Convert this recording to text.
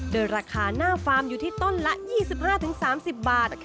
โดยราคาหน้าฟาร์มอยู่ที่ต้นละ๒๕๓๐บาท